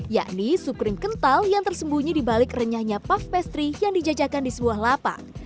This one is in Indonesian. yakni sup krim kental yang tersembunyi di balik renyahnya puff pastry yang dijajakan di sebuah lapak